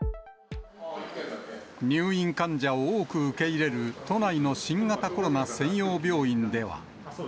入院患者を多く受け入れる都内の新型コロナ専用病院では。